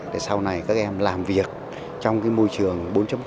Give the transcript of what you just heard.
để sau này các em làm việc trong môi trường bốn